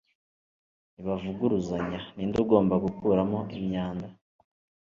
ntibavuguruzanya ninde ugomba gukuramo imyanda